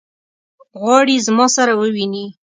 غواړي زما سره وویني.